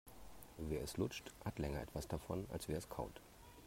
Wer es lutscht, hat länger etwas davon, als wer es kaut.